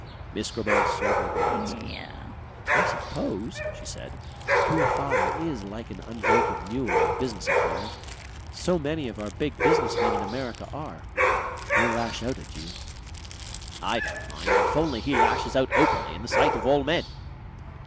Miss Grammont surveyed the landscape. "I suppose," she said, "poor father IS rather like an unbroken mule in business affairs. So many of our big business men in America are. He'll lash out at you." "I don't mind if only he lashes out openly in the sight of all men."